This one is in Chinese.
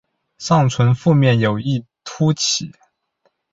上唇腹面有一突起。